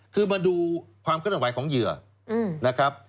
คือมาดูความเคลื่อนไหวของเหยื่อนะครับ